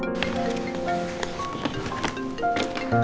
terima kasih pak